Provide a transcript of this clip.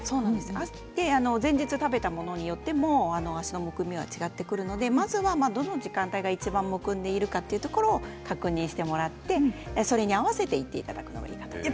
前日食べたものによっても足のむくみは違ってくるのでまずはどの時間帯がいちばんむくんでいるかということを確認してもらってそれに合わせて行っていただくのがいいです。